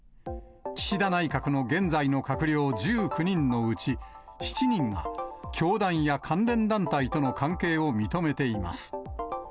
岸田内閣の現在の閣僚１９人のうち、７人が、教団や関連団体との関係を認めています。